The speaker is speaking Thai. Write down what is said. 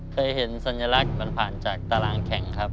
เคยเห็นสัญลักษณ์มันผ่านจากตารางแข็งครับ